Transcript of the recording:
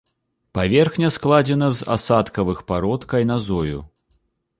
Паверхня складзена з асадкавых парод кайназою.